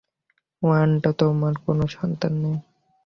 Wanda, তোমার কোনো সন্তান নেই।